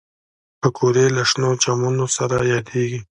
پکورې له شنو چمنو سره یادېږي